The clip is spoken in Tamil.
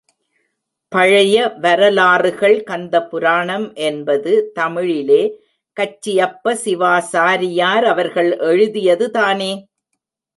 பழைய வரலாறுகள் கந்தபுராணம் என்பது தமிழிலே கச்சியப்ப சிவாசாரியார் அவர்கள் எழுதியதுதானே?